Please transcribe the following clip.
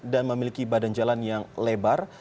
dan memiliki badan jalan yang lebar